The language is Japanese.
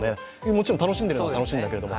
もちろん楽しんでることは楽しいんだけど。